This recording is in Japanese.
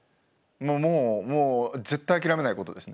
もう絶対諦めないことですね。